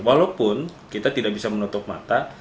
walaupun kita tidak bisa menutup mata